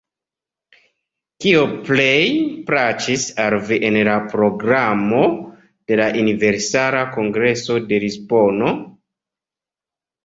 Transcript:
Kio plej plaĉis al vi en la programo de la Universala Kongreso de Lisbono?